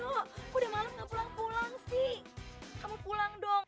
kok udah malem enggak pulang pulang sih